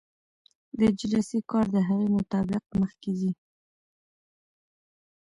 د جلسې کار د هغې مطابق مخکې ځي.